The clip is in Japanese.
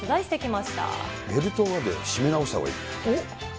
ベルトまで締め直したほうがいい。